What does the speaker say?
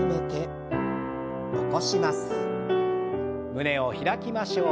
胸を開きましょう。